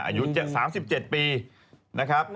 อายุ๓๗ปีนะครับ